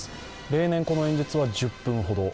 例年、この演説は１０分ほど。